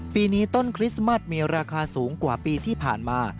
ปีนี้ต้นคริสต์มัสมีราคาสูงกว่าปีที่ผ่านมา